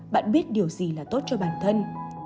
bạn biết điều gì là tốt cho bản thân